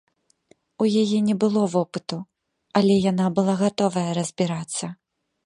У яе не было вопыту, але яна была гатовая разбірацца.